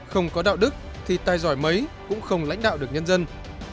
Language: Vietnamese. không có đạo đức thì tài giỏi mấy cũng không lãnh đạo được nhân dân